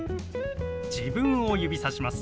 自分を指さします。